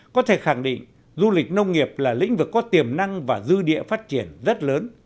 có thể khẳng định du lịch nông nghiệp là lĩnh vực có tiềm năng và dư địa phát triển rất lớn